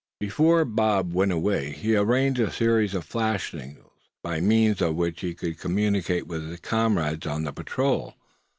Before Bob went away he had arranged a series of flash signals, by means of which he could communicate with his comrades of the patrol.